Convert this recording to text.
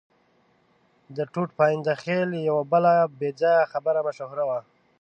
د ټوټ پاینده خېل یوه بله بې ځایه خبره مشهوره وه.